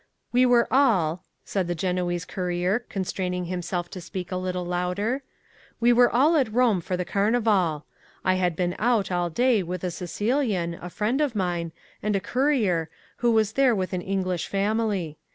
We were all (said the Genoese courier, constraining himself to speak a little louder), we were all at Rome for the Carnival. I had been out, all day, with a Sicilian, a friend of mine, and a courier, who was there with an English family.